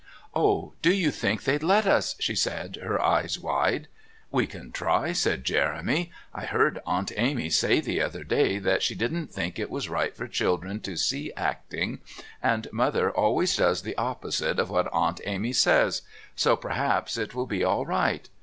"Oh, do you think they'd let us?" she said, her eyes wide. "We can try," said Jeremy. "I heard Aunt Amy say the other day that she didn't think it was right for children to see acting, and Mother always does the opposite to what Aunt Amy says, so p'r'aps it will be all right.